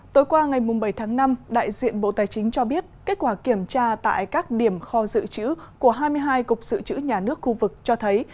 tối qua ngày bảy tháng năm đại diện bộ tài chính cho biết kết quả kiểm tra tại các điểm kho dự trữ của hai mươi hai cục dự trữ nhà nước khu vực cho thấy